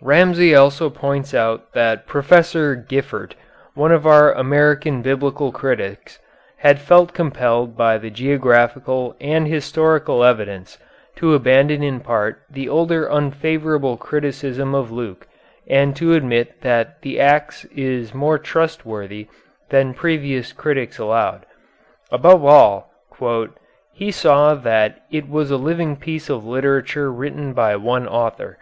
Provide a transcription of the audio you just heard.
Ramsay also points out that Professor Giffert, one of our American biblical critics, had felt compelled by the geographical and historical evidence to abandon in part the older unfavorable criticism of Luke and to admit that the Acts is more trustworthy than previous critics allowed. Above all, "he saw that it was a living piece of literature written by one author."